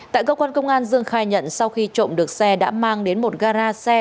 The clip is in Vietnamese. tại cơ quan công an dương khai nhận sau khi trộm được xe đã mang đến một gara xe